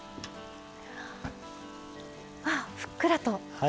あぁふっくらと！